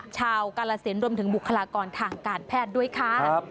กาลสินรวมถึงบุคลากรทางการแพทย์ด้วยค่ะ